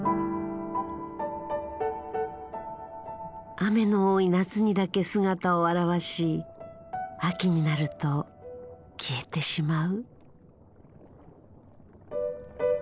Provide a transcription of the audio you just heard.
雨の多い夏にだけ姿を現し秋になると消えてしまう。